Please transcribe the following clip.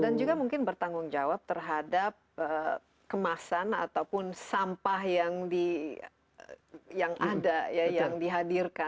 dan juga mungkin bertanggung jawab terhadap kemasan ataupun sampah yang dihadirkan